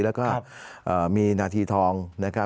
แล้วก็มีนาทีทองนะครับ